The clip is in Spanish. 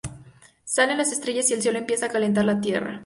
Salen las estrellas y el sol empieza a calentar la tierra.